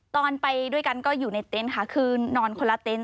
ตอนไปด้วยกันก็อยู่ในเต็นต์ค่ะคือนอนคนละเต็นต